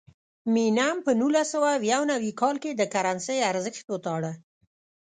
مینم په نولس سوه یو نوي کال کې د کرنسۍ ارزښت وتاړه.